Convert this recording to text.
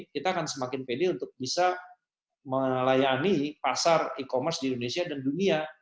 kita akan semakin pede untuk bisa melayani pasar e commerce di indonesia dan dunia